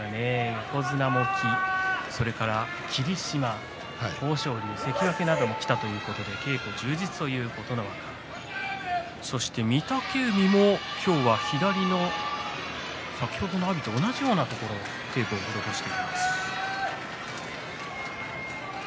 横綱、それから霧島、豊昇龍関脇などもきたということで稽古充実の琴ノ若そして御嶽海も今日は左の先ほどの阿炎と同じようなところにテープを施しています。